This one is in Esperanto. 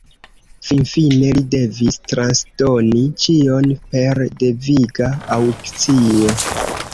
Finfine li devis transdoni ĉion per deviga aŭkcio.